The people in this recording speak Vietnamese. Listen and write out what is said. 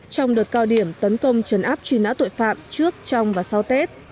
trong đợt cao điểm tấn công trấn áp truy nã tội phạm trước trong và sau tết